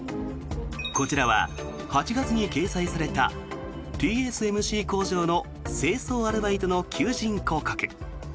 こちらは、８月に掲載されたＴＳＭＣ工場の清掃アルバイトの求人広告。